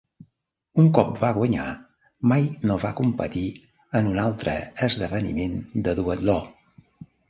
Un cop va guanyar, mai no va competir en un altre esdeveniment de duatló.